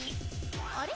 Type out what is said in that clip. あれ？